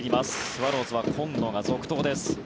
スワローズは今野が続投です。